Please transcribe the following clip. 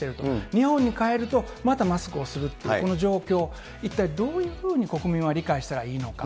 日本に帰ると、またマスクをするっていうこの状況、一体どういうふうに国民は理解したらいいのか。